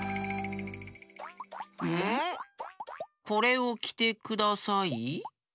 「これをきてください」？